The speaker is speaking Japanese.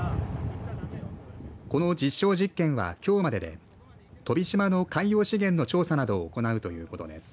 この実証実験は、きょうまでで飛島の海洋資源の調査などを行うということです。